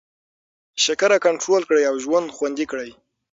شکره کنټرول کړئ او ژوند خوندي کړئ.